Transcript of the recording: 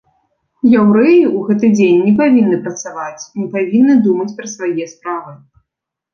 Яўрэі ў гэты дзень не павінны працаваць, не павінны думаць пра свае справы.